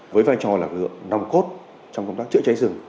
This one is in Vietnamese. với vai trò lạc lượng nồng cốt trong công tác chữa cháy rừng